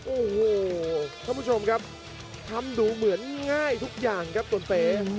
โอ้โหท่านผู้ชมครับทำดูเหมือนง่ายทุกอย่างครับตนเป๋